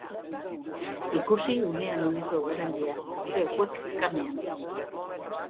Ikusi unean uneko eguraldia, gure webcamean.